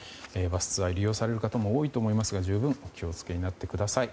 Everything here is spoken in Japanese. バスツアー利用される方も多いと思いますが十分お気を付けになってください。